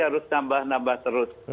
harus nambah nambah terus